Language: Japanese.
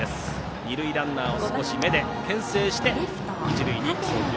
二塁ランナーを少し目でけん制して一塁に送球。